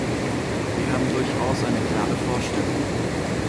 Wir haben durchaus eine klare Vorstellung.